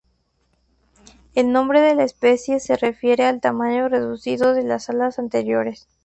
El nombre de la especie se refiere al tamaño reducido de las alas anteriores.